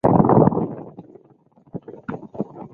湾仔当时是居民捕鱼的主要地方。